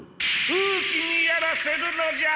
風鬼にやらせるのじゃ！